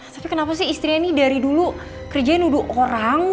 tapi kenapa sih istrinya ini dari dulu kerjain nuduh orang